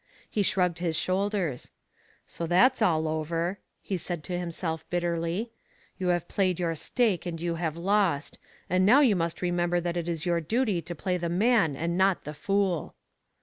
He shrugged his shoulders. " So that's all over," he said to himself bitterly ;" you have played your stake and you have lost, and now you must remember that it is your duty to play the man and not the fool.